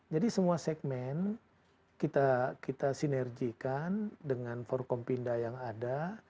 jadi semua segmen kita sinerjikan dengan forkompinda yang ada